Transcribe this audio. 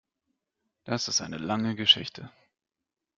Das ist eine lange Geschichte.